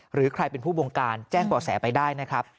หรือใครเป็นผู้บงการแจ้งบ่อแสไปได้นะครับ